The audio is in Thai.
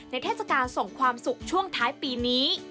เทศกาลส่งความสุขช่วงท้ายปีนี้